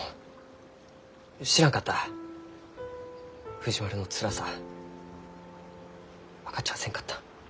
藤丸のつらさ分かっちゃあせんかった。